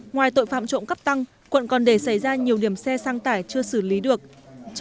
ngoài tội phạm trộm cắp tăng quận còn để xảy ra nhiều điểm xe sang tải chưa xử lý được